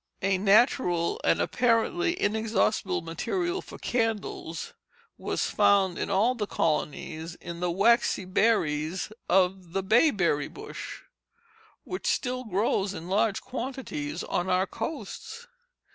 A natural, and apparently inexhaustible, material for candles was found in all the colonies in the waxy berries of the bayberry bush, which still grows in large quantities on our coasts.